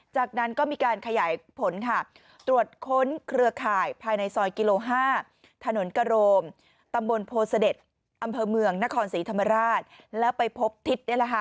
เจ้าร่วมพบทิศอาทิศจิตเพงอายุ๒๕ปี